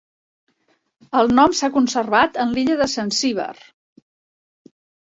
El nom s'ha conservat en l'illa de Zanzíbar.